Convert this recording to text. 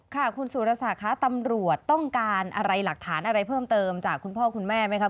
ค่ะคุณสุรศักดิ์คะตำรวจต้องการอะไรหลักฐานอะไรเพิ่มเติมจากคุณพ่อคุณแม่ไหมครับ